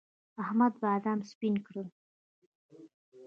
احمد بادام سپين کړل.